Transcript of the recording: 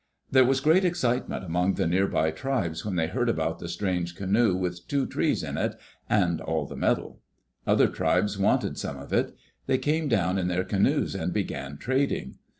There was great excitement among the near by tribes when they heard about the strange canoe with two trees in it, and all the metal. Other tribes wanted some of it. They came down in their canoes and began trading.